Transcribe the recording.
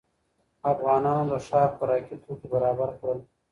افغانانو د ښار خوراکي توکي برابر کړل.